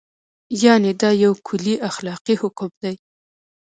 یعنې دا یو کلی اخلاقي حکم دی.